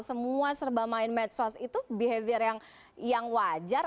semua serba main medsos itu behavior yang wajar